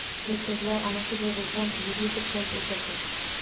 Erkaklar ana shu derazadan televizor ko‘rib o‘tirdi.